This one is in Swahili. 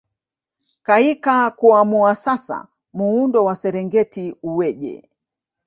Kaika kuamua sasa muundo wa Serengeti uweje